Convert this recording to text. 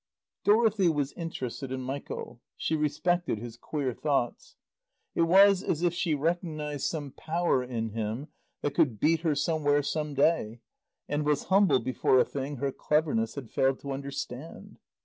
Dorothy was interested in Michael; she respected his queer thoughts. It was as if she recognized some power in him that could beat her somewhere some day, and was humble before a thing her cleverness had failed to understand.